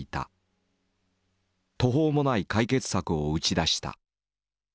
途方もない解決策を打ち出した。